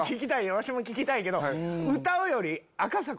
わしも聴きたいけど。